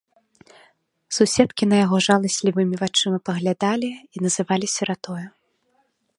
Суседкі на яго жаласлівымі вачыма паглядалі і называлі сіратою.